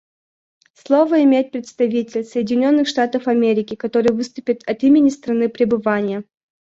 Слово имеет представитель Соединенных Штатов Америки, который выступит от имени страны пребывания.